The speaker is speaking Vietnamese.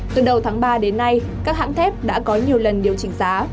từ đầu tháng ba đến nay các hãng thép đã có nhiều lần điều chỉnh giá